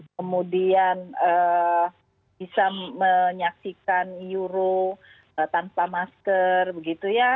kemudian bisa menyaksikan euro tanpa masker begitu ya